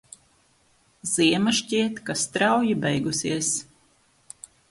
Ziema šķiet, ka strauji beigusies.